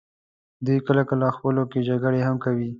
دوی کله کله خپلو کې جګړې هم کوي.